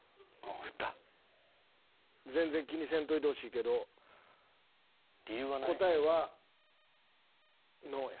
全然気にせんといてほしいけど答えはノーや。